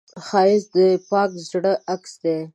ښایست د پاک زړه عکس دی